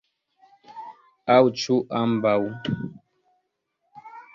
Aŭ ĉu ambaŭ?